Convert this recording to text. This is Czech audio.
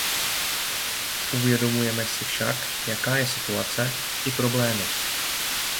Uvědomujeme si však, jaká je situace, i problémy.